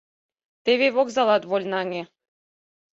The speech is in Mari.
Теве вокзалат вольнаҥе.